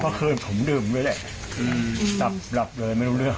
เมื่อคืนผมดื่มด้วยแหละหลับเลยไม่รู้เรื่อง